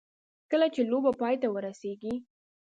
کله چې لوبه پای ته ورسېږي.